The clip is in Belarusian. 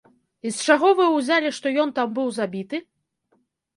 І з чаго вы ўзялі, што ён там быў забіты?